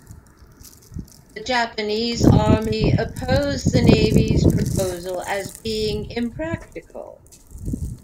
The Japanese Army opposed the Navy's proposal as being impractical.